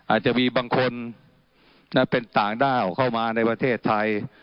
อาจจะมีบางคนเป็นต่างด้าวเข้ามาในประเทศไทย